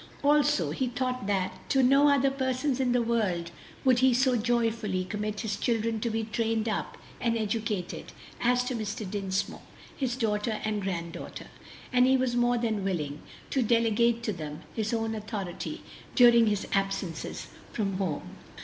Also he thought that to no other persons in the world would he so joyfully commit his children to be trained up and educated as to Mr. Dinsmore, his daughter and granddaughter, and he was more than willing to delegate to them his own authority during his absences from home.